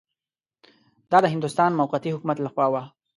دا د هندوستان موقتي حکومت له خوا وه.